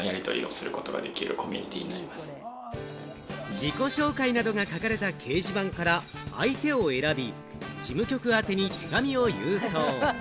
自己紹介などが書かれた掲示板から相手を選び、事務局宛に手紙を郵送。